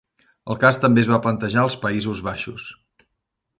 El cas també es va plantejar als Països Baixos.